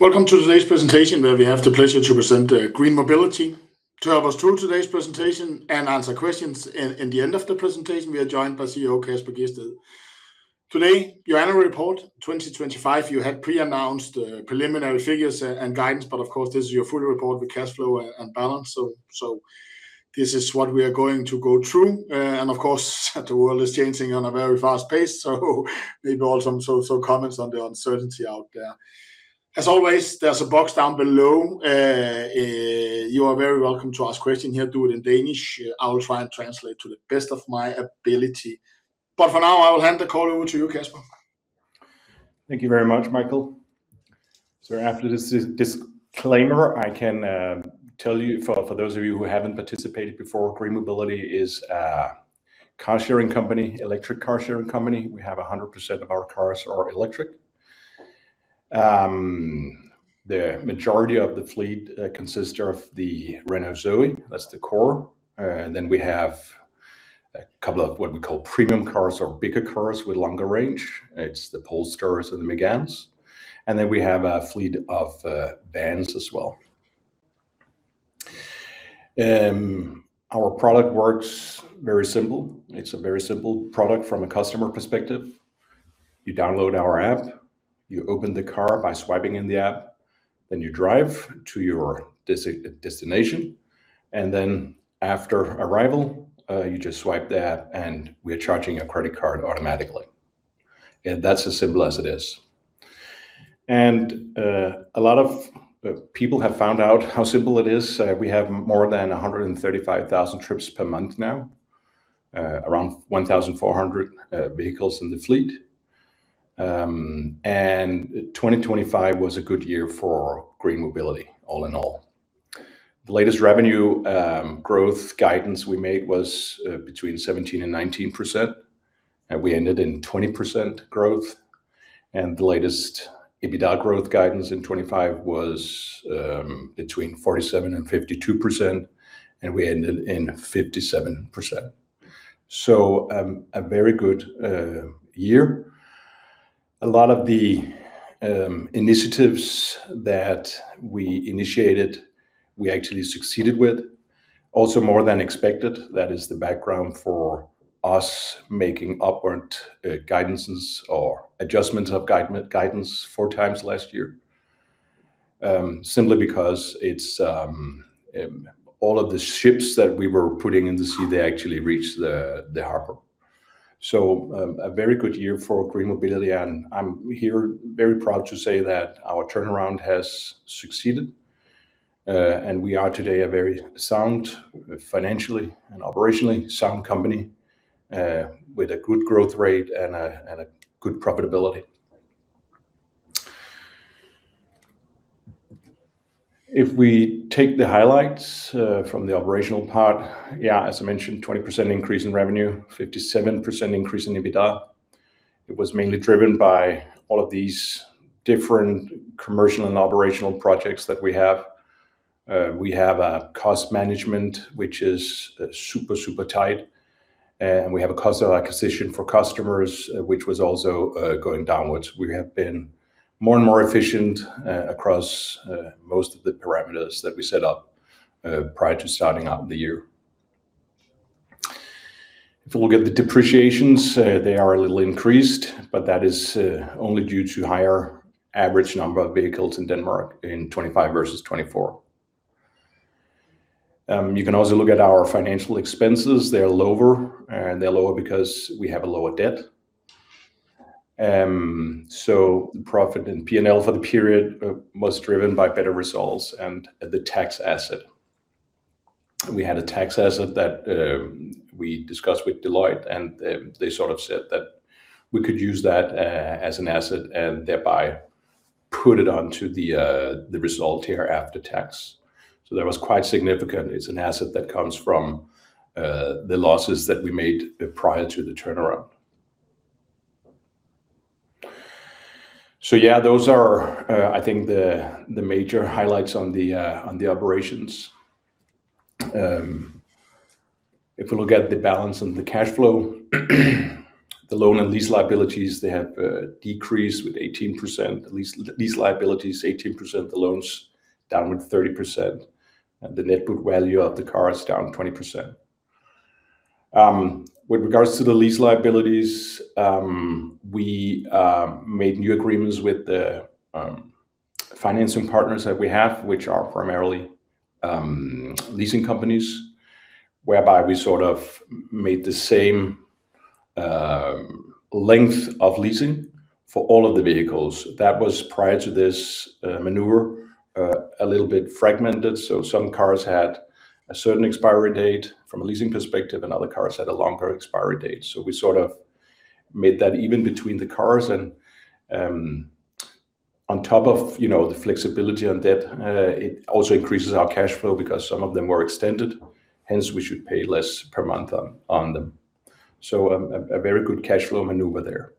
Welcome to today's presentation where we have the pleasure to present GreenMobility. To help us through today's presentation and answer questions in the end of the presentation, we are joined by CEO Kasper Gjedsted. Today, your annual report 2025. You had pre-announced preliminary figures and guidance, but of course, this is your full report with cash flow and balance so this is what we are going to go through. Of course, the world is changing on a very fast pace, so maybe also some comments on the uncertainty out there. As always, there's a box down below. You are very welcome to ask question here. Do it in Danish. I will try and translate to the best of my ability. For now I will hand the call over to you, Kasper. Thank you very much, Michael. After this disclaimer, I can tell you for those of you who haven't participated before, GreenMobility is a car sharing company, electric car sharing company. We have 100% of our cars are electric. The majority of the fleet consists of the Renault Zoe, that's the core. Then we have a couple of what we call premium cars or bigger cars with longer range. It's the Polestars and the Meganes, and then we have a fleet of vans as well. Our product works very simple. It's a very simple product from a customer perspective. You download our app, you open the car by swiping in the app, then you drive to your destination, and then after arrival, you just swipe the app and we are charging your credit card automatically. That's as simple as it is. A lot of people have found out how simple it is. We have more than 135,000 trips per month now, around 1,400 vehicles in the fleet, and 2025 was a good year for GreenMobility all in all. The latest revenue growth guidance we made was between 17% and 19%, and we ended in 20% growth. The latest EBITDA growth guidance in 2025 was between 47% and 52%, and we ended in 57%. A very good year. A lot of the initiatives that we initiated, we actually succeeded with also more than expected. That is the background for us making upward guidances or adjustments of guidance four times last year. Simply because it's all of the ships that we were putting in the sea, they actually reached the harbor. A very good year for GreenMobility, and I'm here very proud to say that our turnaround has succeeded. We are today a very sound financially and operationally sound company, with a good growth rate and a good profitability. If we take the highlights from the operational part, as I mentioned, 20% increase in revenue, 57% increase in EBITDA. It was mainly driven by all of these different commercial and operational projects that we have. We have a cost management which is super tight, and we have a cost of acquisition for customers, which was also going downwards. We have been more and more efficient across most of the parameters that we set up prior to starting out the year. If we look at the depreciations, they are a little increased, but that is only due to higher average number of vehicles in Denmark in 2025 versus 2024. You can also look at our financial expenses, they're lower, and they're lower because we have a lower debt. The profit in P&L for the period was driven by better results and the tax asset. We had a tax asset that we discussed with Deloitte, and they sort of said that we could use that as an asset and thereby put it onto the result here after tax. That was quite significant. It's an asset that comes from the losses that we made prior to the turnaround. Yeah, those are, I think, the major highlights on the operations. If we look at the balance and the cash flow, the loan and lease liabilities have decreased with 18%, lease liabilities 18%, the loans down with 30% and the net book value of the cars down 20%. With regards to the lease liabilities, we made new agreements with the financing partners that we have, which are primarily leasing companies, whereby we sort of made the same length of leasing for all of the vehicles. That was prior to this, maneuver, a little bit fragmented, so some cars had a certain expiry date from a leasing perspective, and other cars had a longer expiry date. We sort of made that even between the cars and, on top of, you know, the flexibility on debt, it also increases our cash flow because some of them were extended, hence we should pay less per month on them. A very good cash flow maneuver there.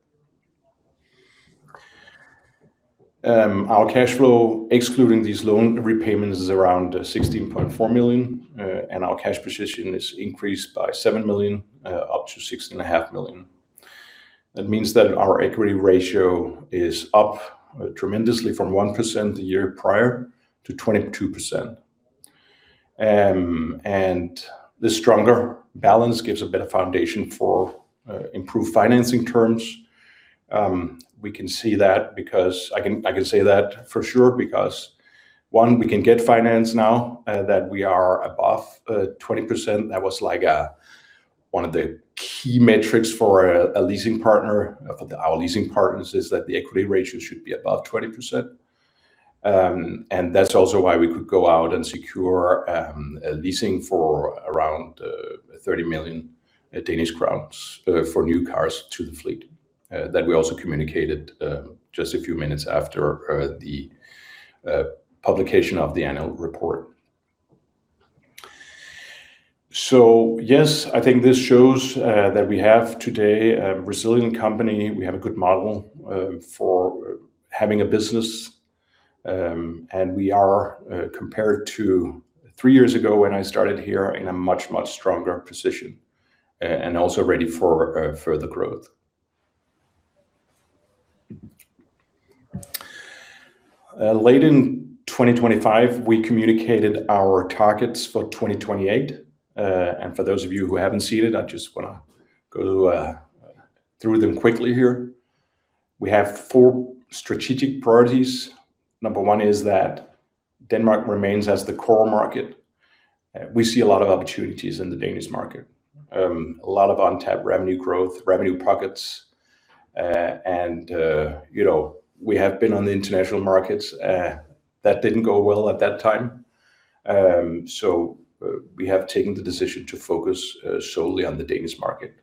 Our cash flow excluding these loan repayments is around 16.4 million. And our cash position is increased by 7 million up to 6.5 million. That means that our equity ratio is up tremendously from 1% the year prior to 22%. And the stronger balance gives a better foundation for improved financing terms. We can see that because I can say that for sure because one, we can get finance now that we are above 20%. That was like one of the key metrics for a leasing partner, for our leasing partners, is that the equity ratio should be above 20%. That's also why we could go out and secure a leasing for around 30 million Danish crowns for new cars to the fleet that we also communicated just a few minutes after the publication of the annual report. Yes, I think this shows that we have today a resilient company. We have a good model for having a business. We are compared to three years ago when I started here in a much stronger position and also ready for further growth. Late in 2025, we communicated our targets for 2028. For those of you who haven't seen it, I just wanna go through them quickly here. We have four strategic priorities. Number one is that Denmark remains as the core market. We see a lot of opportunities in the Danish market, a lot of untapped revenue growth, revenue pockets. You know, we have been on the international markets. That didn't go well at that time. We have taken the decision to focus solely on the Danish market.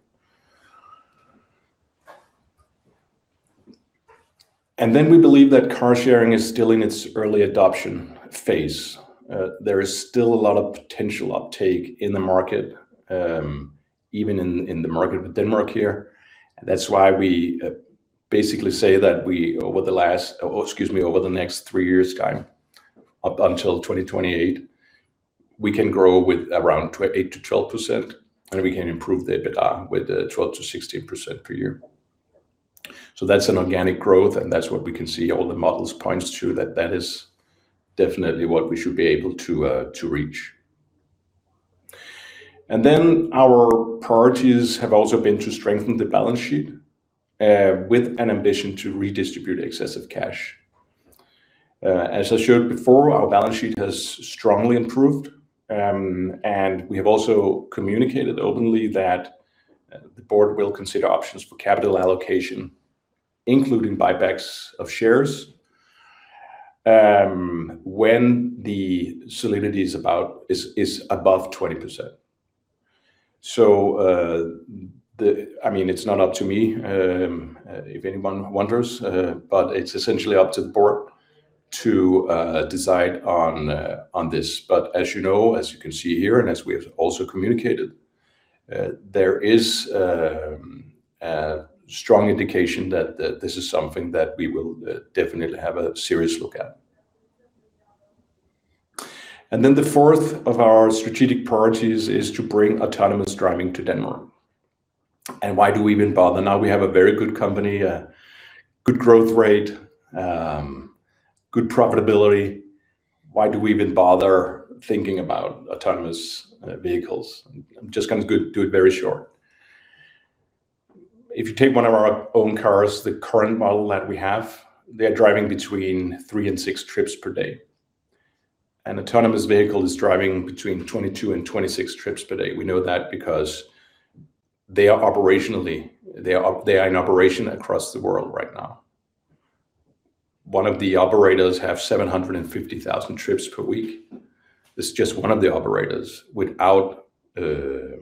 We believe that car sharing is still in its early adoption phase. There is still a lot of potential uptake in the market, even in the market of Denmark here. That's why we basically say that we over the next three years' time, up until 2028, we can grow with around 8%-12%, and we can improve the EBITDA with 12%-16% per year. That's an organic growth, and that's what we can see all the models points to that is definitely what we should be able to reach. Our priorities have also been to strengthen the balance sheet with an ambition to redistribute excessive cash. As I showed before, our balance sheet has strongly improved. We have also communicated openly that the board will consider options for capital allocation, including buybacks of shares, when the solidity is above 20%. I mean, it's not up to me, if anyone wonders, but it's essentially up to the board to decide on this. As you know, as you can see here, and as we have also communicated, there is a strong indication that this is something that we will definitely have a serious look at. The fourth of our strategic priorities is to bring autonomous driving to Denmark. Why do we even bother now? We have a very good company, a good growth rate, good profitability. Why do we even bother thinking about autonomous vehicles? I'm just gonna go do it very short. If you take one of our own cars, the current model that we have, they are driving between three and six trips per day. An autonomous vehicle is driving between 22-26 trips per day. We know that because they are operationally in operation across the world right now. One of the operators have 750,000 trips per week. This is just one of the operators without a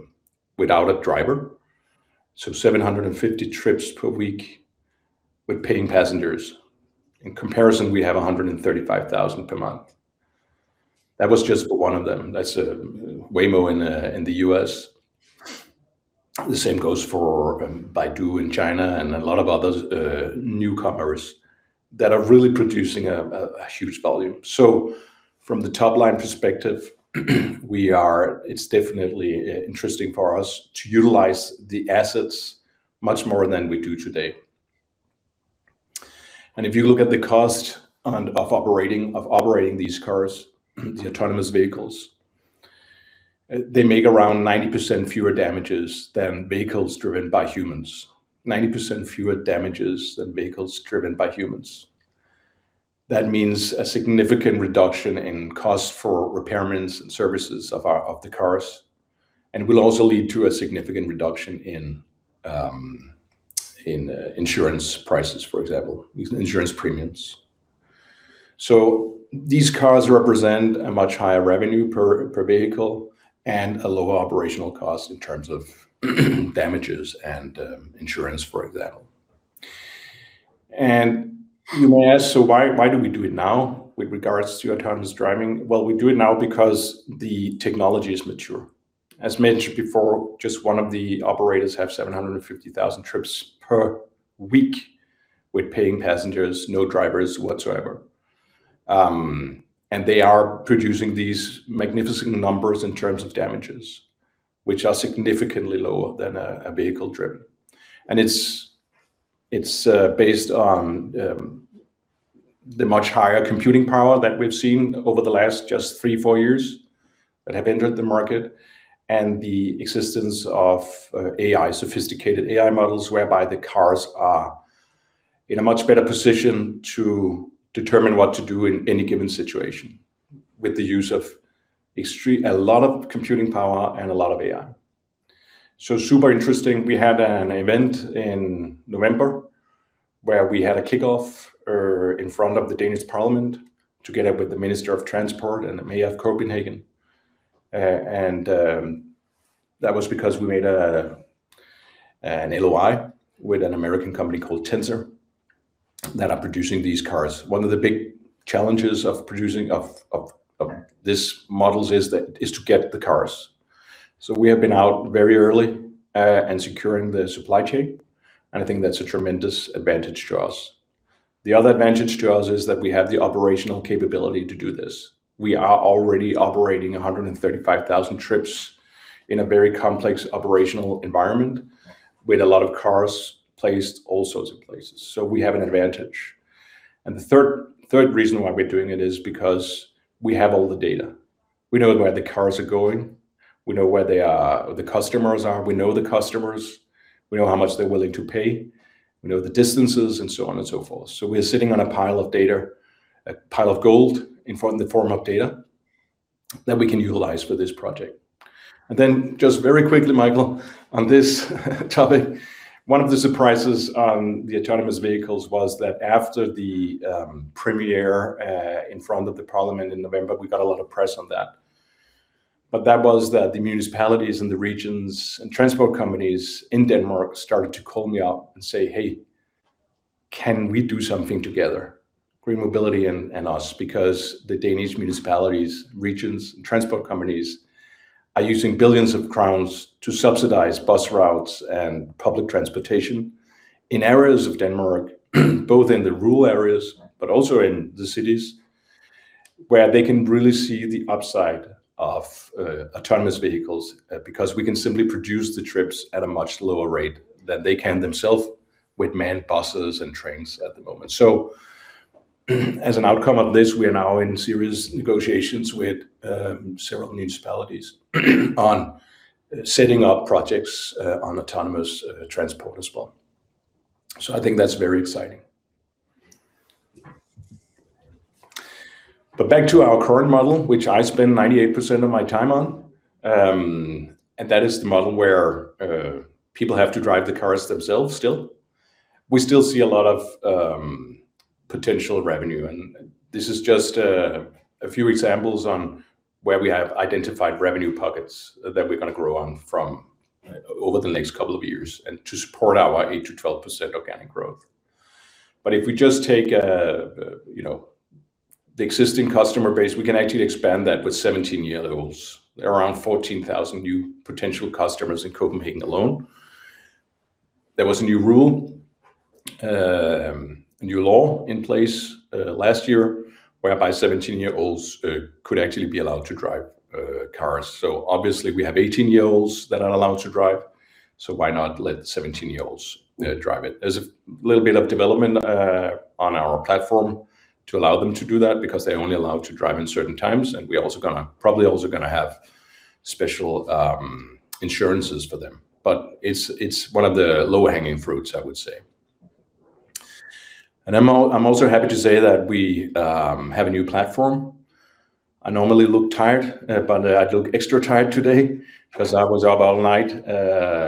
driver. So 750,000 trips per week with paying passengers. In comparison, we have 135,000 per month. That was just one of them. That's Waymo in the U.S. The same goes for Baidu in China and a lot of other newcomers that are really producing a huge volume. From the top-line perspective, it's definitely interesting for us to utilize the assets much more than we do today. If you look at the cost of operating these cars, the autonomous vehicles, they make around 90% fewer damages than vehicles driven by humans. That means a significant reduction in cost for repairs and services of our cars, and will also lead to a significant reduction in insurance prices, for example, insurance premiums. These cars represent a much higher revenue per vehicle and a lower operational cost in terms of damages and insurance, for example. You may ask, why do we do it now with regards to autonomous driving? Well, we do it now because the technology is mature. As mentioned before, just one of the operators have 750,000 trips per week with paying passengers, no drivers whatsoever. They are producing these magnificent numbers in terms of damages, which are significantly lower than a vehicle driven. It's based on the much higher computing power that we've seen over the last just three, four years that have entered the market, and the existence of AI, sophisticated AI models whereby the cars are in a much better position to determine what to do in any given situation with the use of a lot of computing power and a lot of AI. Super interesting, we had an event in November where we had a kickoff in front of the Danish parliament together with the Minister of Transport and the Mayor of Copenhagen, and that was because we made an LOI with an American company called Tensor that are producing these cars. One of the big challenges of producing these models is to get the cars. We have been out very early in securing the supply chain, and I think that's a tremendous advantage to us. The other advantage to us is that we have the operational capability to do this. We are already operating 135,000 trips in a very complex operational environment with a lot of cars placed all sorts of places. We have an advantage. The third reason why we're doing it is because we have all the data. We know where the cars are going. We know where they are, the customers are. We know the customers. We know how much they're willing to pay. We know the distances and so on and so forth. We're sitting on a pile of data, a pile of gold in the form of data that we can utilize for this project. Just very quickly, Michael, on this topic, one of the surprises on the autonomous vehicles was that after the premiere in front of the parliament in November, we got a lot of press on that. The municipalities and the regions and transport companies in Denmark started to call me up and say, "Hey, can we do something together, GreenMobility and us?" Because the Danish municipalities, regions, and transport companies are using billions of DKK to subsidize bus routes and public transportation in areas of Denmark, both in the rural areas but also in the cities, where they can really see the upside of autonomous vehicles, because we can simply produce the trips at a much lower rate than they can themselves with manned buses and trains at the moment. As an outcome of this, we are now in serious negotiations with several municipalities on setting up projects on autonomous transport as well. I think that's very exciting. Back to our current model, which I spend 98% of my time on, and that is the model where people have to drive the cars themselves still. We still see a lot of potential revenue, and this is just a few examples on where we have identified revenue pockets that we're gonna grow on from over the next couple of years and to support our 8%-12% organic growth. If we just take, you know, the existing customer base, we can actually expand that with 17-year-olds, around 14,000 new potential customers in Copenhagen alone. There was a new rule, a new law in place last year whereby 17-year-olds could actually be allowed to drive cars. Obviously we have 18-year-olds that are allowed to drive, so why not let 17-year-olds drive it? There's a little bit of development on our platform to allow them to do that because they're only allowed to drive in certain times, and we're also gonna probably have special insurances for them. But it's one of the low-hanging fruits, I would say. I'm also happy to say that we have a new platform. I normally look tired, but I look extra tired today 'cause I was up all night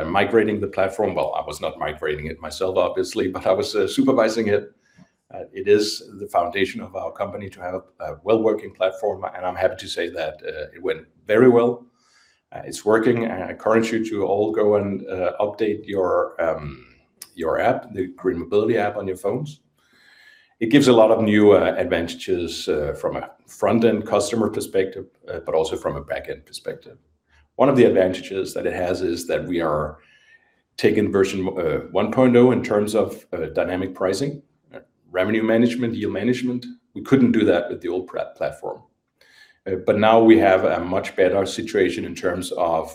migrating the platform. I was not migrating it myself, obviously, but I was supervising it. It is the foundation of our company to have a well-working platform, and I'm happy to say that it went very well. It's working, and I encourage you all to go and update your app, the GreenMobility app on your phones. It gives a lot of new advantages from a front-end customer perspective, but also from a back-end perspective. One of the advantages that it has is that we are taking version 1.0 in terms of dynamic pricing, revenue management, yield management. We couldn't do that with the old platform. Now we have a much better situation in terms of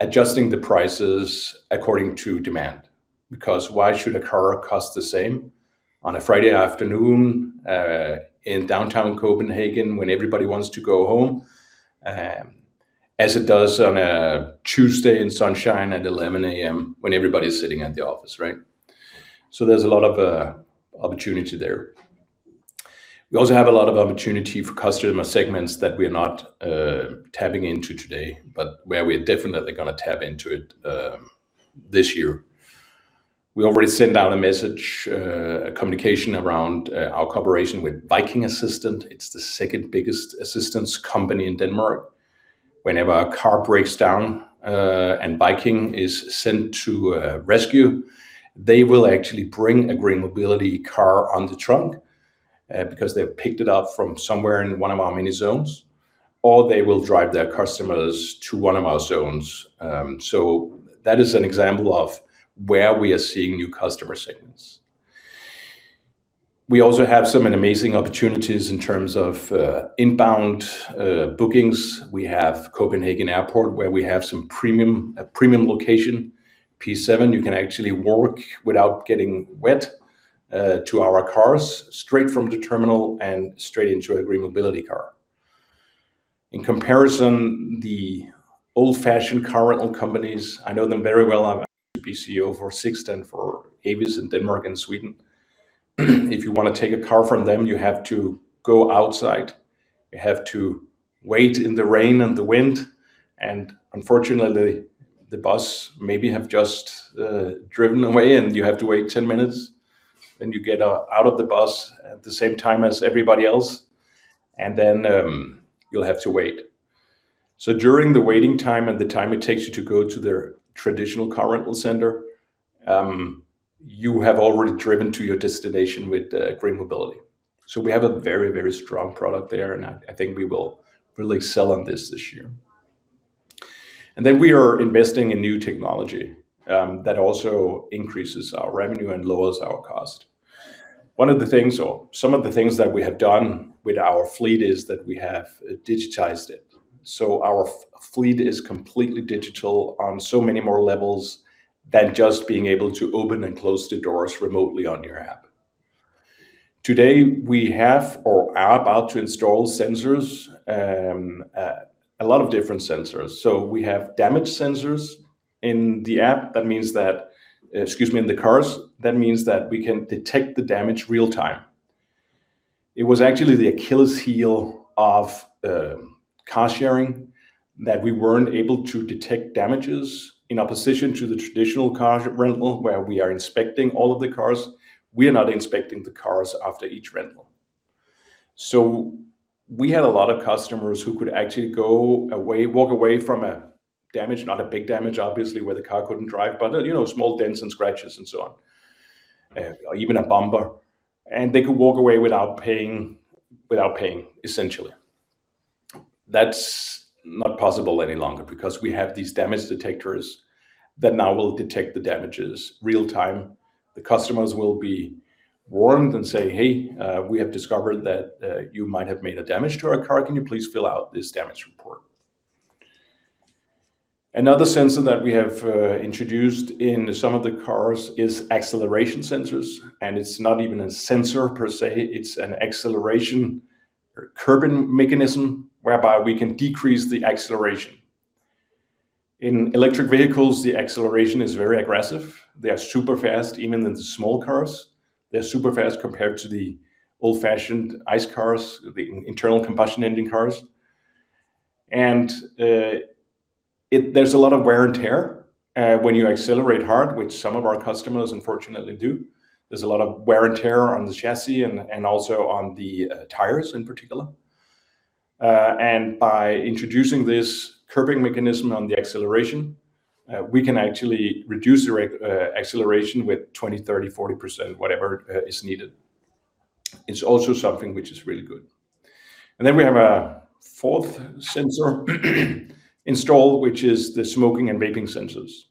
adjusting the prices according to demand, because why should a car cost the same on a Friday afternoon in downtown Copenhagen when everybody wants to go home as it does on a Tuesday in sunshine at 11:00 A.M. when everybody's sitting at the office, right? There's a lot of opportunity there. We also have a lot of opportunity for customer segments that we're not tapping into today, but where we're definitely gonna tap into it this year. We already sent out a message, a communication around our cooperation with Viking Assistance. It's the second biggest assistance company in Denmark. Whenever a car breaks down and Viking is sent to rescue, they will actually bring a GreenMobility car in the trunk because they've picked it up from somewhere in one of our many zones. Or they will drive their customers to one of our zones. That is an example of where we are seeing new customer segments. We also have some amazing opportunities in terms of inbound bookings. We have Copenhagen Airport, where we have a premium location, P7. You can actually walk without getting wet to our cars, straight from the terminal and straight into a GreenMobility car. In comparison, the old-fashioned car rental companies, I know them very well. I'm actually BCO for Sixt and for Avis in Denmark and Sweden. If you wanna take a car from them, you have to go outside, you have to wait in the rain and the wind. Unfortunately, the bus maybe have just driven away, and you have to wait 10 minutes. You get out of the bus at the same time as everybody else, and you'll have to wait. During the waiting time, and the time it takes you to go to their traditional car rental center, you have already driven to your destination with GreenMobility. We have a very, very strong product there, and I think we will really excel on this year. Then we are investing in new technology that also increases our revenue and lowers our cost. One of the things or some of the things that we have done with our fleet is that we have digitized it. Our fleet is completely digital on so many more levels than just being able to open and close the doors remotely on your app. Today, we have or are about to install sensors, a lot of different sensors. We have damage sensors in the app. That means that, excuse me, in the cars, that means that we can detect the damage real-time. It was actually the Achilles heel of car sharing that we weren't able to detect damages in opposition to the traditional car rental where we are inspecting all of the cars. We are not inspecting the cars after each rental. We had a lot of customers who could actually go away, walk away from a damage, not a big damage, obviously, where the car couldn't drive, but you know, small dents and scratches and so on, or even a bumper, and they could walk away without paying, without paying essentially. That's not possible any longer because we have these damage detectors that now will detect the damages real-time. The customers will be warned and say, "Hey, we have discovered that, you might have made a damage to our car. Can you please fill out this damage report?" Another sensor that we have introduced in some of the cars is acceleration sensors, and it's not even a sensor per se, it's an acceleration curbing mechanism whereby we can decrease the acceleration. In electric vehicles, the acceleration is very aggressive. They are super fast, even in the small cars. They're super fast compared to the old-fashioned ICE cars, the internal combustion engine cars. There's a lot of wear and tear when you accelerate hard, which some of our customers unfortunately do. There's a lot of wear and tear on the chassis and also on the tires in particular. By introducing this curbing mechanism on the acceleration, we can actually reduce the acceleration with 20, 30, 40%, whatever is needed. It's also something which is really good. We have a fourth sensor installed, which is the smoking and vaping sensors.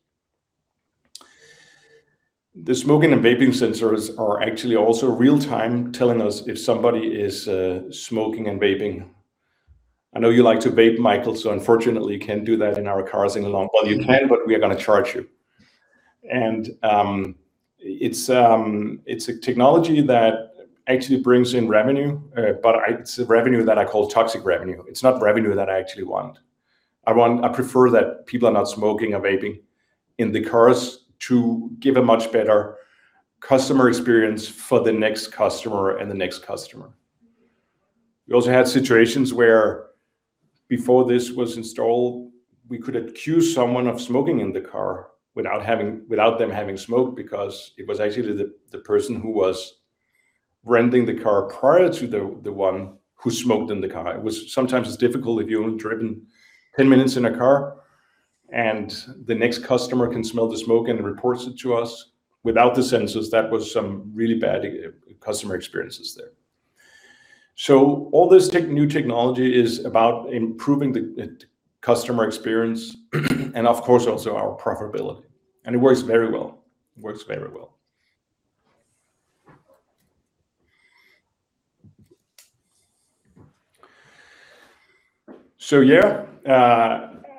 The smoking and vaping sensors are actually also real-time telling us if somebody is smoking and vaping. I know you like to vape, Michael, so unfortunately you can't do that in our cars any longer. Well, you can, but we are gonna charge you. It's a technology that actually brings in revenue, but it's a revenue that I call toxic revenue. It's not revenue that I actually want. I prefer that people are not smoking or vaping in the cars to give a much better customer experience for the next customer and the next customer. We also had situations where before this was installed, we could accuse someone of smoking in the car without them having smoked because it was actually the person who was renting the car prior to the one who smoked in the car. It was sometimes difficult if you've driven 10 minutes in a car, and the next customer can smell the smoke and reports it to us. Without the sensors, that was some really bad customer experiences there. All this new technology is about improving the customer experience and of course also our profitability. It works very well. Yeah,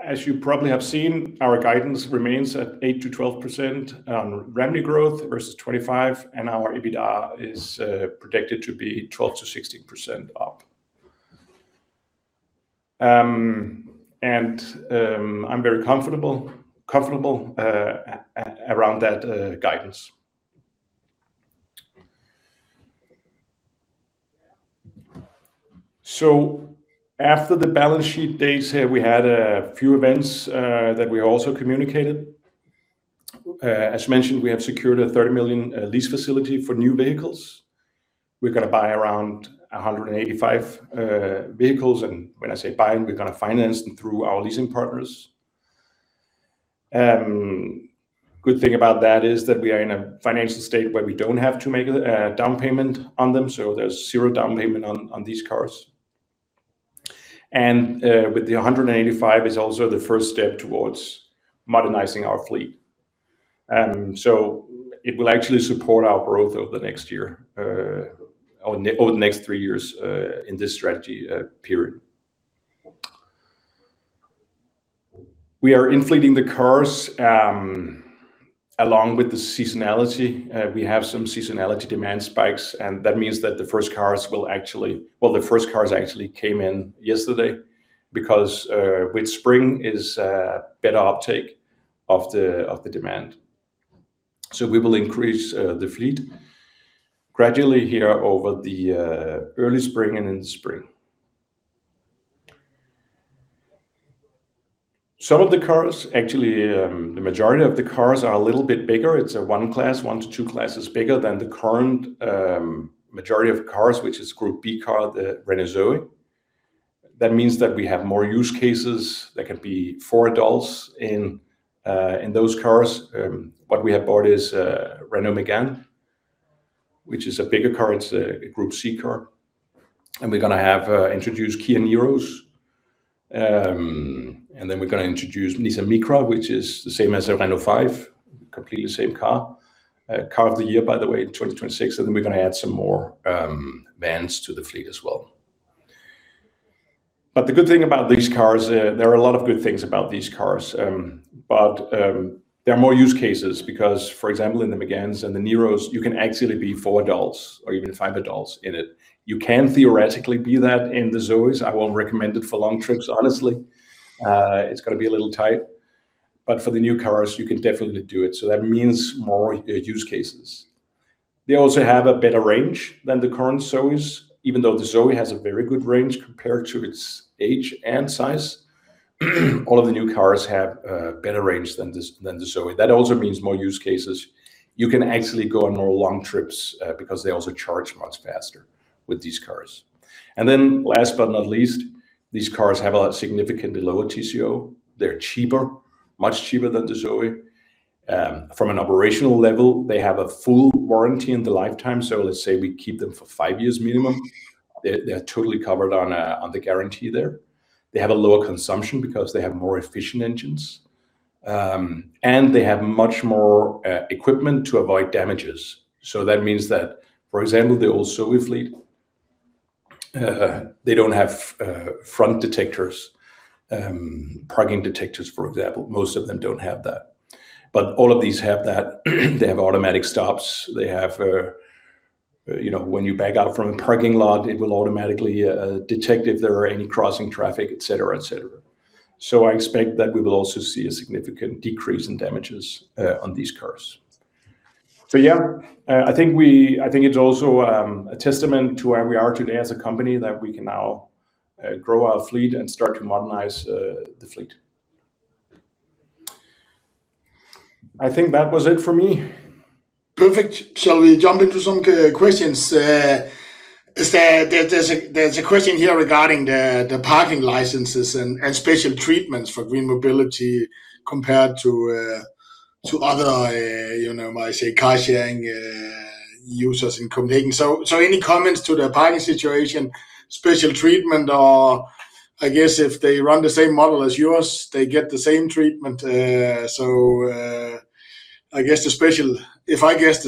as you probably have seen, our guidance remains at 8%-12% on revenue growth versus 25%, and our EBITDA is predicted to be 12%-16% up. I'm very comfortable around that guidance. After the balance sheet date, we had a few events that we also communicated. As mentioned, we have secured a 30 million lease facility for new vehicles. We're gonna buy around 185 vehicles, and when I say buying, we're gonna finance them through our leasing partners. Good thing about that is that we are in a financial state where we don't have to make a down payment on them, so there's 0 down payment on these cars. With the 185 is also the first step towards modernizing our fleet. It will actually support our growth over the next year or over the next three years in this strategy period. We are inflating the cars along with the seasonality. We have some seasonality demand spikes, and that means that the first cars actually came in yesterday because with spring is a better uptake of the demand. We will increase the fleet gradually here over the early spring and in the spring. Some of the cars, actually, the majority of the cars are a little bit bigger. It's one class, one to two classes bigger than the current majority of cars, which is Group B car, the Renault Zoe. That means that we have more use cases. There can be four adults in those cars. What we have bought is a Renault Megane, which is a bigger car. It's a Group C car. We're gonna have to introduce Kia Niros. Then we're gonna introduce Nissan Micra, which is the same as a Renault 5, completely the same car. Car of the Year by the way in 2026, and then we're gonna add some more vans to the fleet as well. The good thing about these cars, there are a lot of good things about these cars. There are more use cases because, for example, in the Meganes and the Niros, you can actually be four adults or even five adults in it. You can theoretically be that in the Zoes. I won't recommend it for long trips, honestly. It's gonna be a little tight. For the new cars, you can definitely do it, so that means more use cases. They also have a better range than the current Zoes, even though the Zoe has a very good range compared to its age and size. All of the new cars have better range than this, than the Zoe. That also means more use cases. You can actually go on more long trips, because they also charge much faster with these cars. Then last but not least, these cars have a lot significantly lower TCO. They're cheaper, much cheaper than the Zoe. From an operational level, they have a full warranty in the lifetime. Let's say we keep them for five years minimum, they're totally covered on the guarantee there. They have a lower consumption because they have more efficient engines. And they have much more equipment to avoid damages. That means that, for example, the old Zoe fleet, they don't have front detectors, parking detectors, for example. Most of them don't have that. All of these have that. They have automatic stops. They have, you know, when you back out from a parking lot, it will automatically detect if there are any crossing traffic, et cetera, et cetera. I expect that we will also see a significant decrease in damages on these cars. Yeah, I think it's also a testament to where we are today as a company that we can now grow our fleet and start to modernize the fleet. I think that was it for me. Perfect. Shall we jump into some questions? There's a question here regarding the parking licenses and special treatments for GreenMobility compared to other, you know, might say car sharing users in Copenhagen. Any comments to the parking situation, special treatment, or I guess if they run the same model as yours, they get the same treatment. I guess the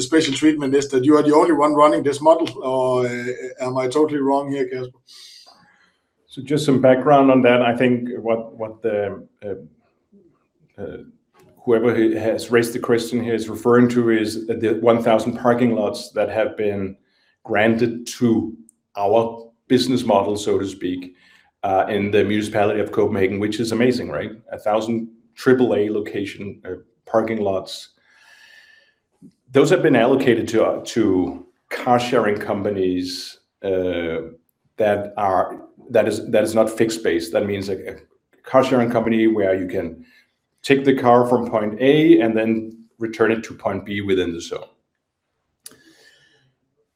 special treatment is that you are the only one running this model, or am I totally wrong here, Kasper? Just some background on that, I think whoever has raised the question here is referring to the 1,000 parking lots that have been granted to our business model, so to speak, in the municipality of Copenhagen, which is amazing, right? 1,000 triple-A location parking lots. Those have been allocated to car sharing companies that are not fixed base. That means, like, a car sharing company where you can take the car from point A and then return it to point B within the zone.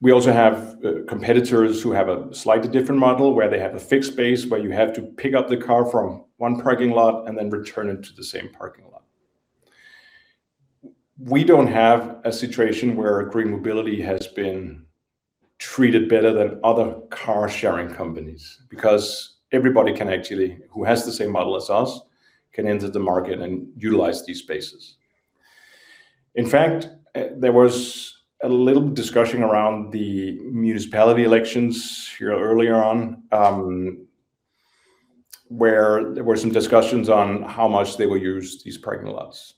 We also have competitors who have a slightly different model, where they have a fixed base, where you have to pick up the car from one parking lot and then return it to the same parking lot. We don't have a situation where GreenMobility has been treated better than other car sharing companies because everybody can actually, who has the same model as us, can enter the market and utilize these spaces. In fact, there was a little discussion around the municipality elections here earlier on, where there were some discussions on how much they will use these parking lots.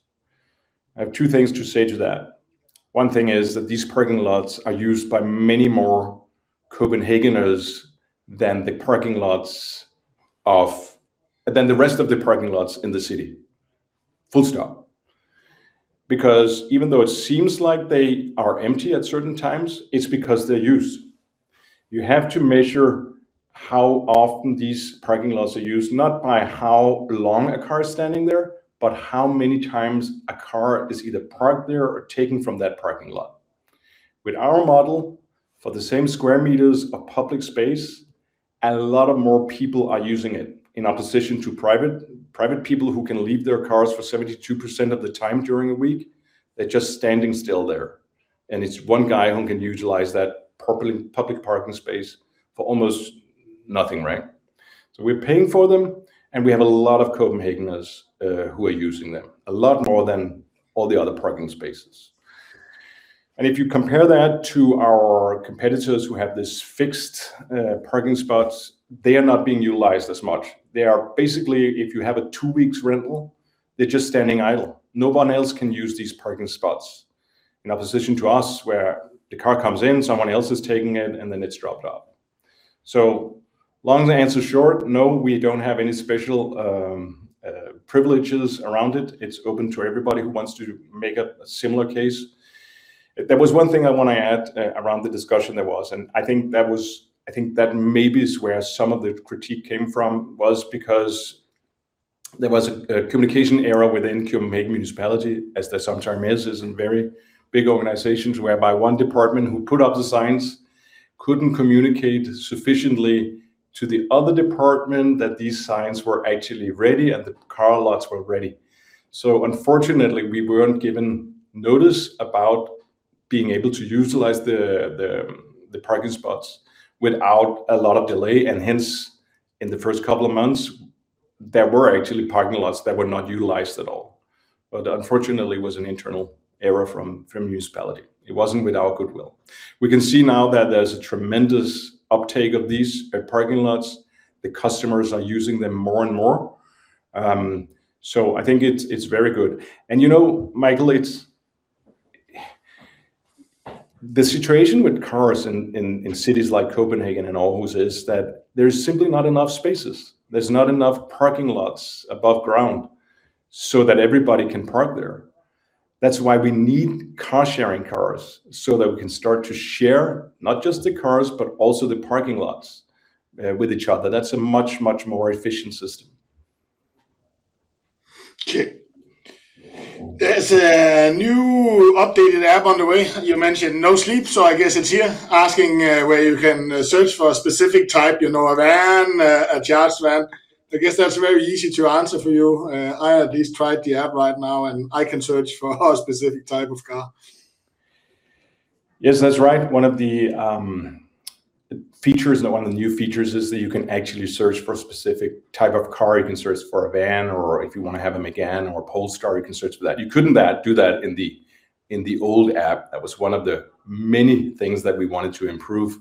I have two things to say to that. One thing is that these parking lots are used by many more Copenhageners than the rest of the parking lots in the city. Full stop. Because even though it seems like they are empty at certain times, it's because they're used. You have to measure how often these parking lots are used, not by how long a car is standing there, but how many times a car is either parked there or taken from that parking lot. With our model, for the same sq m of public space. A lot more people are using it in opposition to private people who can leave their cars for 72% of the time during the week. They're just standing still there, and it's one guy who can utilize that public parking space for almost nothing, right? We're paying for them, and we have a lot of Copenhageners who are using them, a lot more than all the other parking spaces. If you compare that to our competitors who have this fixed parking spots, they are not being utilized as much. They are basically, if you have a two weeks rental, they're just standing idle. No one else can use these parking spots. In opposition to us where the car comes in, someone else is taking it, and then it's dropped off. Long answer short, no, we don't have any special privileges around it. It's open to everybody who wants to make a similar case. There was one thing I wanna add. I think that maybe is where some of the critique came from, was because there was a communication error within Copenhagen Municipality, as there sometimes is in very big organizations, whereby one department who put up the signs couldn't communicate sufficiently to the other department that these signs were actually ready, and the car lots were ready. Unfortunately, we weren't given notice about being able to utilize the parking spots without a lot of delay. Hence, in the first couple of months, there were actually parking lots that were not utilized at all. Unfortunately, it was an internal error from municipality. It wasn't with our goodwill. We can see now that there's a tremendous uptake of these parking lots. The customers are using them more and more. I think it's very good. You know, Michael, the situation with cars in cities like Copenhagen and Aarhus is that there's simply not enough spaces. There's not enough parking lots above ground so that everybody can park there. That's why we need car-sharing cars, so that we can start to share not just the cars, but also the parking lots with each other. That's a much, much more efficient system. Okay. There's a new updated app on the way. You mentioned no sleep, so I guess it's here, asking where you can search for a specific type, you know, a charged van. I guess that's very easy to answer for you. I at least tried the app right now, and I can search for a specific type of car. Yes, that's right. One of the features, or one of the new features is that you can actually search for a specific type of car. You can search for a van, or if you wanna have a Megane or Polestar, you can search for that. You couldn't do that in the old app. That was one of the many things that we wanted to improve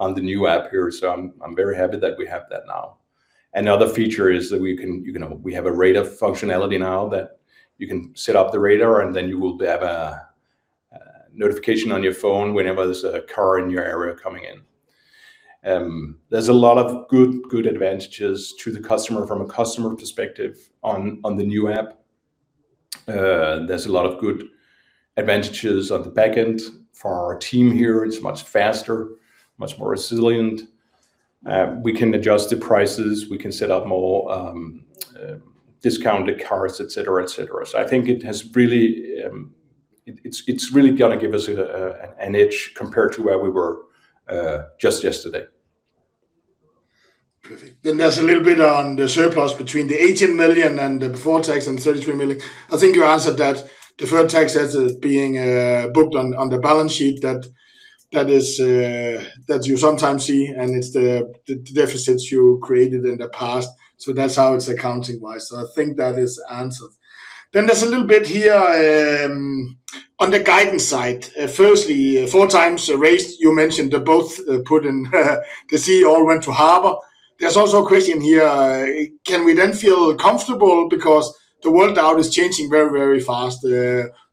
on the new app here, so I'm very happy that we have that now. Another feature is that we have a radar functionality now that you can set up the radar, and then you will have a notification on your phone whenever there's a car in your area coming in. There's a lot of good advantages to the customer from a customer perspective on the new app. There's a lot of good advantages on the back end for our team here. It's much faster, much more resilient. We can adjust the prices. We can set up more discounted cars, et cetera, et cetera. I think it's really gonna give us an edge compared to where we were just yesterday. Perfect. There's a little bit on the surplus between the 18 million and the before tax and 33 million. I think you answered that deferred taxes is being booked on the balance sheet that is that you sometimes see, and it's the deficits you created in the past. That's how it's accounting-wise. I think that is answered. There's a little bit here on the guidance side. Firstly, four times raised, you mentioned they're both put in the sea or went to harbor. There's also a question here, can we then feel comfortable because the world out is changing very, very fast?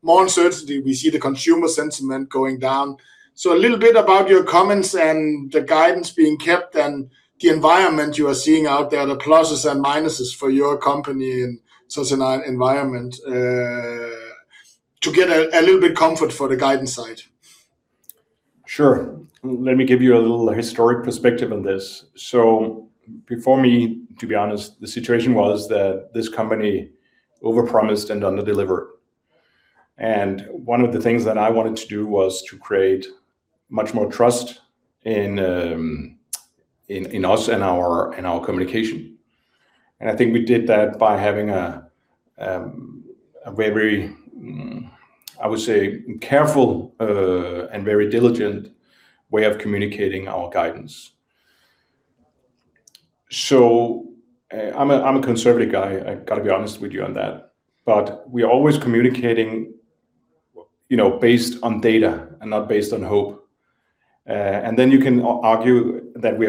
More uncertainty, we see the consumer sentiment going down. A little bit about your comments and the guidance being kept and the environment you are seeing out there, the pluses and minuses for your company in such an environment, to get a little bit comfort for the guidance side. Sure. Let me give you a little historic perspective on this. Before me, to be honest, the situation was that this company overpromised and underdelivered. One of the things that I wanted to do was to create much more trust in us and our communication. I think we did that by having a very I would say careful and very diligent way of communicating our guidance. I'm a conservative guy. I gotta be honest with you on that. We are always communicating, you know, based on data and not based on hope. Then you can argue that we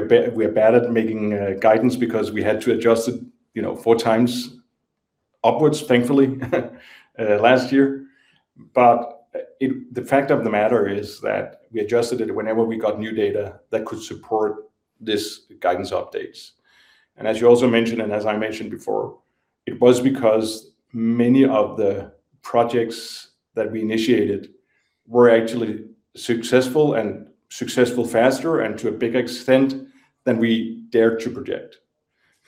are bad at making guidance because we had to adjust it, you know, four times upwards, thankfully last year. The fact of the matter is that we adjusted it whenever we got new data that could support this guidance updates. As you also mentioned, and as I mentioned before, it was because many of the projects that we initiated were actually successful, and successful faster and to a bigger extent than we dared to project.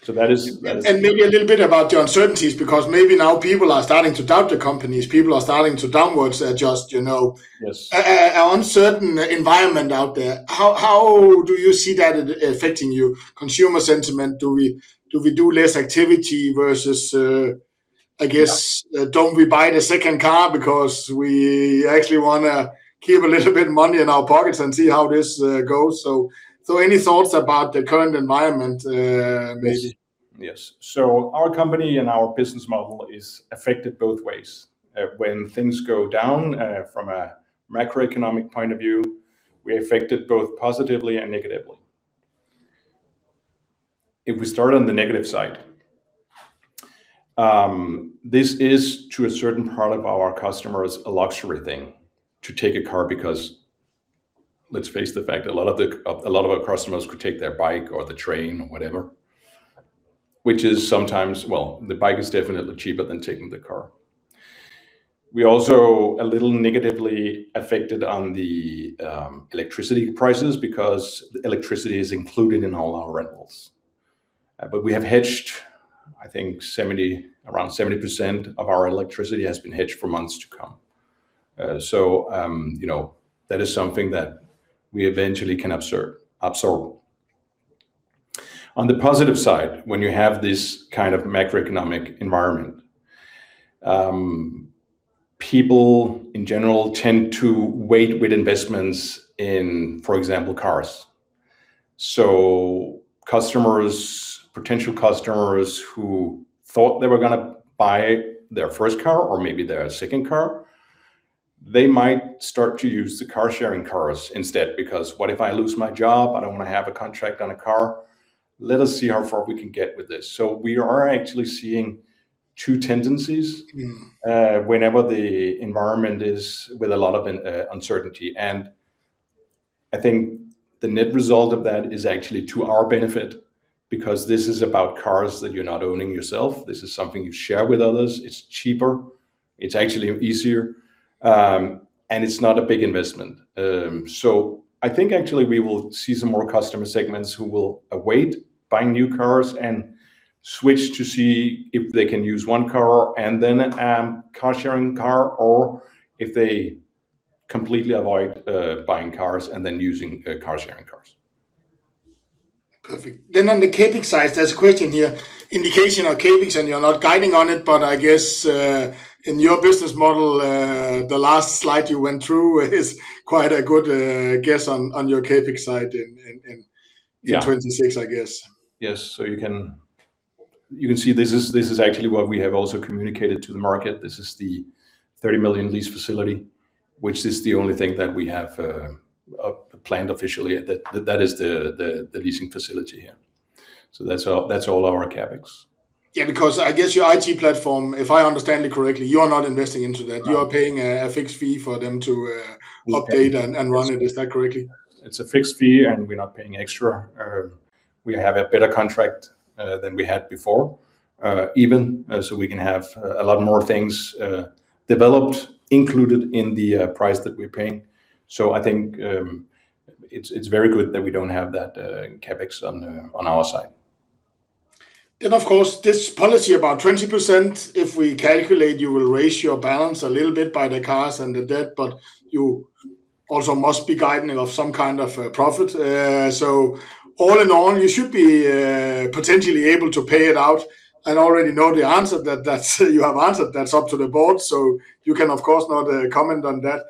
That is- Maybe a little bit about the uncertainties, because maybe now people are starting to doubt the companies. People are starting to downwards adjust, you know? Yes. An uncertain environment out there. How do you see that affecting you? Consumer sentiment, do we do less activity versus, I guess, don't we buy the second car because we actually wanna keep a little bit of money in our pockets and see how this goes? Any thoughts about the current environment, maybe? Yes. Our company and our business model is affected both ways. When things go down from a macroeconomic point of view, we're affected both positively and negatively. If we start on the negative side, this is to a certain part of our customers a luxury thing to take a car because let's face the fact, our customers could take their bike or the train, whatever. Well, the bike is definitely cheaper than taking the car. We are also a little negatively affected by the electricity prices because electricity is included in all our rentals. But we have hedged. I think around 70% of our electricity has been hedged for months to come. You know, that is something that we eventually can absorb. On the positive side, when you have this kind of macroeconomic environment, people in general tend to wait with investments in, for example, cars. Customers, potential customers who thought they were gonna buy their first car or maybe their second car, they might start to use the car sharing cars instead. Because what if I lose my job? I don't wanna have a contract on a car. Let us see how far we can get with this. We are actually seeing two tendencies. Mm Whenever the environment is with a lot of uncertainty. I think the net result of that is actually to our benefit because this is about cars that you're not owning yourself. This is something you share with others. It's cheaper, it's actually easier, and it's not a big investment. I think actually we will see some more customer segments who will await buying new cars and switch to see if they can use one car, and then car sharing car or if they completely avoid buying cars and then using car sharing cars. Perfect. On the CapEx side, there's a question here. Indication on CapEx, and you're not guiding on it, but I guess, in your business model, the last slide you went through is quite a good guess on your CapEx side in 2026, I guess. Yeah Yes. You can see this is actually what we have also communicated to the market. This is the 30 million lease facility, which is the only thing that we have planned officially. That is the leasing facility, yeah. That's all our CapEx. Yeah, because I guess your IT platform, if I understand it correctly, you are not investing into that. No. You are paying a fixed fee for them to. Update and run it. Is that correct? It's a fixed fee, and we're not paying extra. We have a better contract than we had before. Even so we can have a lot more things developed included in the price that we're paying. I think it's very good that we don't have that CapEx on our side. Of course, this policy about 20%, if we calculate, you will raise your balance a little bit by the cars and the debt, but you also must be guiding of some kind of profit. All in all, you should be potentially able to pay it out and already know the answer that you have answered. That's up to the board, so you can of course not comment on that.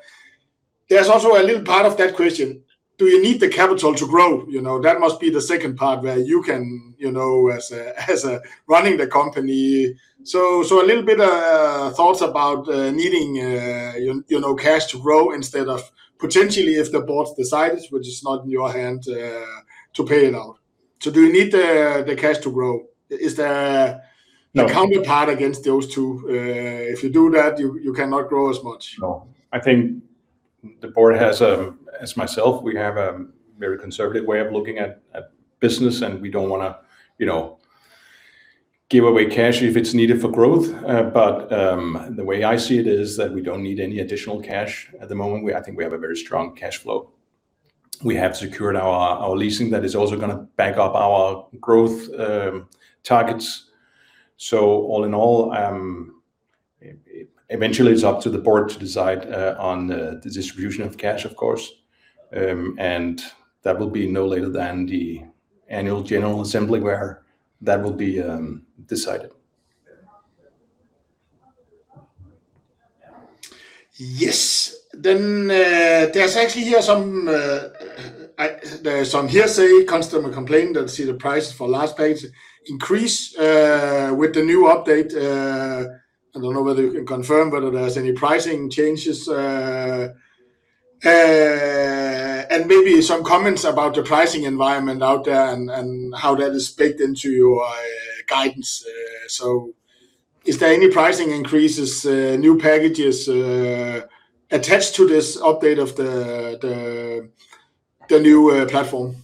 There's also a little part of that question. Do you need the capital to grow? You know, that must be the second part where you can, you know, as a running the company. A little bit of thoughts about needing you know, cash to grow instead of potentially if the board decides, which is not in your hand to pay it out. Do you need the cash to grow? Is there- No... a counterpart against those two? If you do that, you cannot grow as much. No. I think the board has, as myself, we have a very conservative way of looking at business, and we don't wanna, you know, give away cash if it's needed for growth. The way I see it is that we don't need any additional cash at the moment. We, I think we have a very strong cash flow. We have secured our leasing that is also gonna back up our growth targets. All in all, eventually it's up to the board to decide on the distribution of cash of course. That will be no later than the annual general assembly where that will be decided. Yes. There's actually some hearsay customer complaint that the price for last trip increased with the new update. I don't know whether you can confirm whether there's any pricing changes and maybe some comments about the pricing environment out there and how that is baked into your guidance. Is there any pricing increases, new packages attached to this update of the new platform?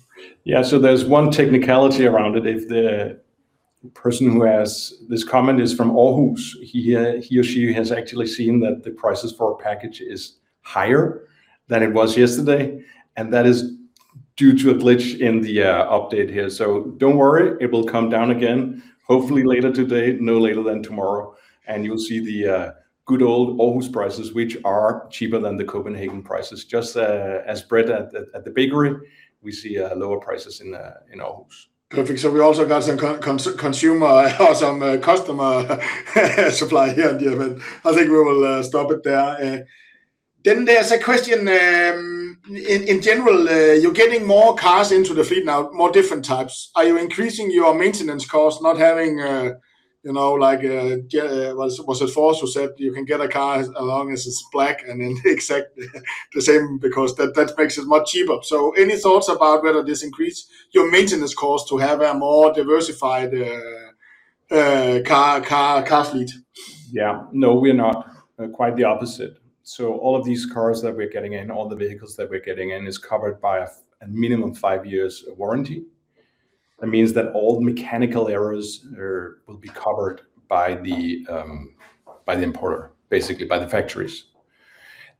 Yeah. There's one technicality around it. If the person who has this comment is from Aarhus, he or she has actually seen that the prices for a package is higher than it was yesterday, and that is due to a glitch in the update here. Don't worry, it will come down again, hopefully later today, no later than tomorrow, and you'll see the good old Aarhus prices which are cheaper than the Copenhagen prices. Just as bread at the bakery, we see lower prices in Aarhus. Perfect. We also got some consumer or some customer supply here, yeah, but I think we will stop it there. There's a question in general you're getting more cars into the fleet now, more different types. Are you increasing your maintenance cost, not having you know like was it Ford who said you can get a car as long as it's black and then exactly the same because that makes it much cheaper. Any thoughts about whether this increase your maintenance cost to have a more diversified car fleet? Yeah. No, we're not. Quite the opposite. All of these cars that we're getting in, all the vehicles that we're getting in is covered by a minimum five-years warranty. That means that all mechanical errors are, will be covered by the, by the importer, basically by the factories.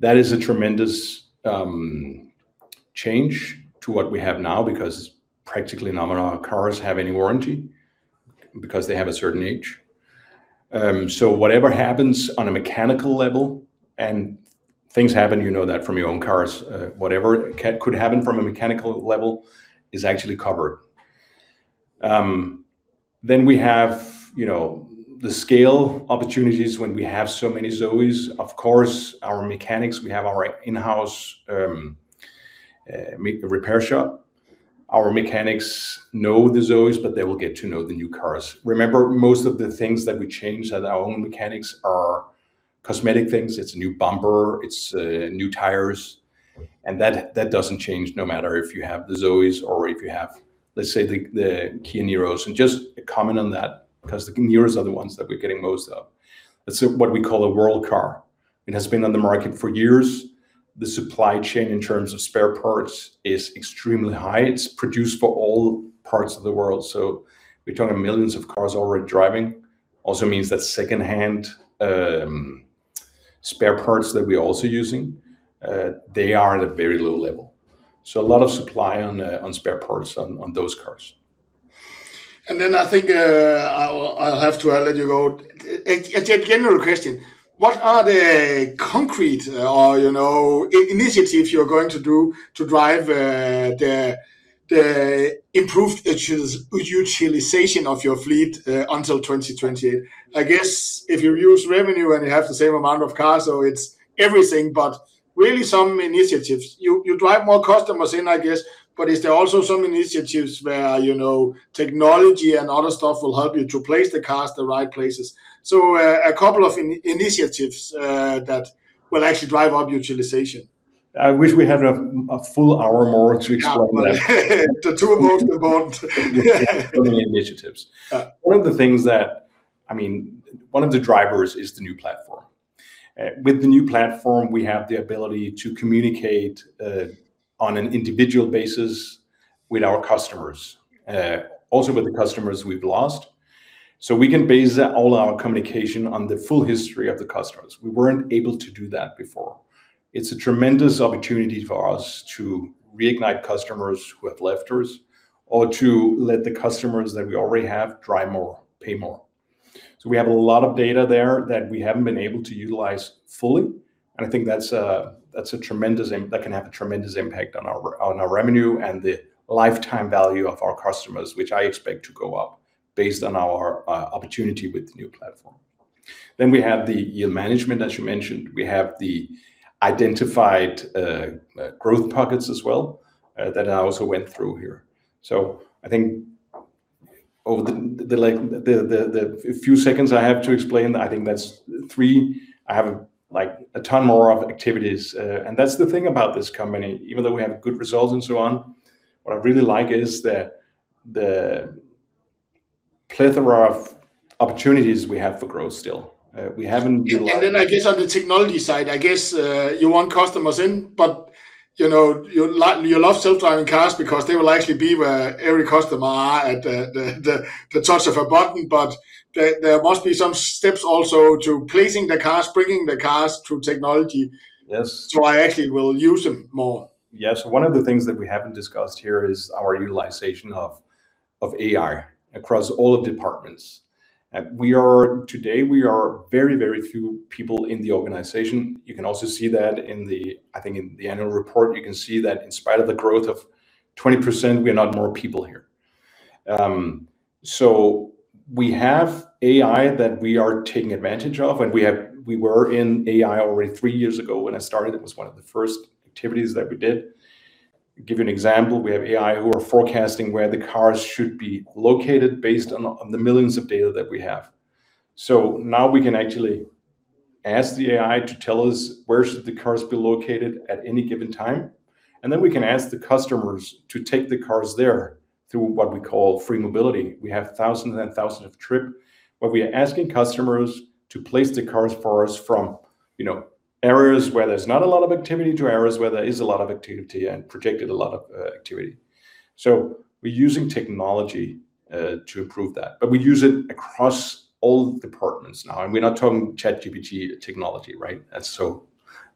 That is a tremendous change to what we have now because practically none of our cars have any warranty because they have a certain age. Whatever happens on a mechanical level, and things happen, you know that from your own cars, whatever could happen from a mechanical level is actually covered. We have, you know, the scale opportunities when we have so many Zoe's. Of course, our mechanics, we have our in-house repair shop. Our mechanics know the Zoes, but they will get to know the new cars. Remember, most of the things that we change at our own mechanics are cosmetic things. It's a new bumper, it's new tires, and that doesn't change no matter if you have the Zoes or if you have, let's say, the Kia Niros. Just a comment on that, 'cause the Niros are the ones that we're getting most of. It's what we call a world car. It has been on the market for years. The supply chain in terms of spare parts is extremely high. It's produced for all parts of the world, so we're talking millions of cars already driving. Also means that second-hand spare parts that we're also using, they are at a very low level. A lot of supply on spare parts on those cars. I think, I'll have to let you go. A general question, what are the concrete initiatives you're going to do to drive the improved utilization of your fleet until 2020? I guess if you use revenue and you have the same amount of cars, it's everything, but really some initiatives. You drive more customers in, I guess, but is there also some initiatives where technology and other stuff will help you to place the cars the right places? A couple of initiatives that will actually drive up utilization. I wish we had a full hour more to explore that. To, to about... Many initiatives. Uh. One of the things that, I mean, one of the drivers is the new platform. With the new platform, we have the ability to communicate on an individual basis with our customers, also with the customers we've lost. We can base all our communication on the full history of the customers. We weren't able to do that before. It's a tremendous opportunity for us to reignite customers who have left us or to let the customers that we already have drive more, pay more. We have a lot of data there that we haven't been able to utilize fully, and I think that's a tremendous impact on our revenue and the lifetime value of our customers, which I expect to go up based on our opportunity with the new platform. We have the yield management, as you mentioned. We have the identified growth pockets as well, that I also went through here. I think over the like few seconds I have to explain, I think that's three. I have like a ton more of activities, and that's the thing about this company. Even though we have good results and so on, what I really like is the plethora of opportunities we have for growth still. We haven't utilized. I guess on the technology side, I guess, you want customers in, but you know, you love self-driving cars because they will actually be where every customer are at the touch of a button. There must be some steps also to placing the cars, bringing the cars through technology- Yes I actually will use them more. Yes. One of the things that we haven't discussed here is our utilization of AI across all departments. Today we are very few people in the organization. You can also see that in the annual report. You can see that, in spite of the growth of 20%, we are not more people here. We have AI that we are taking advantage of. We were in AI already three years ago when I started. It was one of the first activities that we did. Give you an example, we have AI who are forecasting where the cars should be located based on the millions of data that we have. Now we can actually ask the AI to tell us where should the cars be located at any given time, and then we can ask the customers to take the cars there through what we call free mobility. We have thousands and thousands of trip, but we are asking customers to place the cars for us from, you know, areas where there's not a lot of activity to areas where there is a lot of activity and projected a lot of activity. We're using technology to improve that, but we use it across all departments now, and we're not talking ChatGPT technology, right? That's so-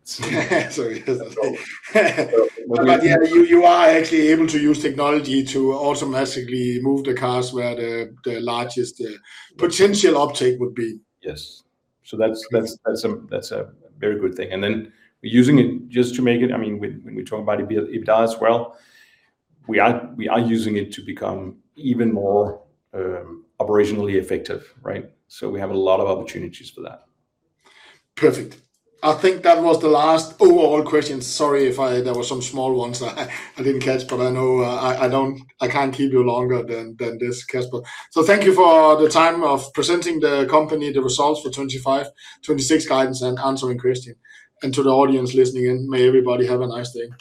Sorry. When we- Yeah, you are actually able to use technology to automatically move the cars where the largest potential uptake would be. Yes. That's a very good thing. We're using it just to make it. I mean, when we talk about EBITDA as well, we are using it to become even more operationally effective, right? We have a lot of opportunities for that. Perfect. I think that was the last overall question. Sorry, there were some small ones that I didn't catch, but I know I can't keep you longer than this, Kasper. So thank you for the time of presenting the company, the results for 2025, 2026 guidance and answering question. To the audience listening in, may everybody have a nice day.